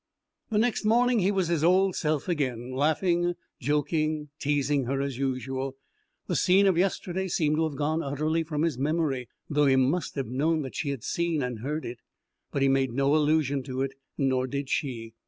The next morning he was his old self again, laughing, joking, teasing her as usual. The scene of yesterday seemed to have gone utterly from his memory, though he must have known that she had seen and heard it. But he made no allusion to it, nor did she.